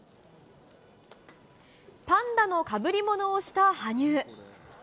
パンダの被り物をした羽生。